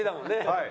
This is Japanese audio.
はい。